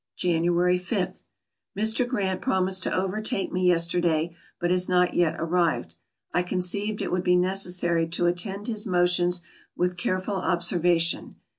Jaiiuary 5. — Mr. Grant promised to overtake me yester day, but has not yet arrived. I conceived it would be nec essary to attend his motions with careful observation.